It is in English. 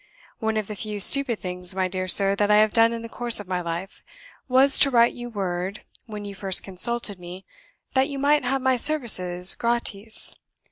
One of the few stupid things, my dear sir, that I have done in the course of my life was to write you word, when you first consulted me, that you might have my services gratis.